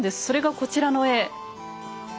それがこちらの絵。